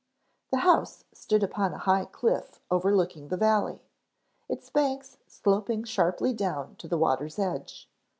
The house stood upon a high cliff overlooking the valley, its banks sloping sharply down to the water's edge.